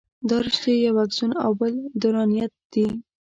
دا رشتې یو اکسون او بل دنداریت دي.